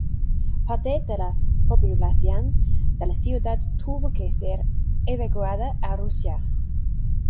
Parte de la población de la ciudad tuvo que ser evacuada a Rusia.